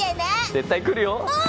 絶対来るよ。